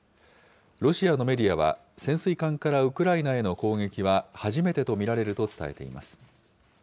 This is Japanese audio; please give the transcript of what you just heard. ロシアのメディアは、潜水艦からウクライナへの攻撃は初めてと見られると伝えています。